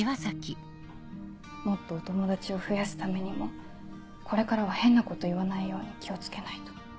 もっとお友達を増やすためにもこれからは変なこと言わないように気を付けないと。